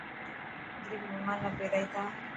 اجرڪ مهمان نا پيرائي تا.